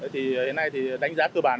thì hiện nay đánh giá cơ bản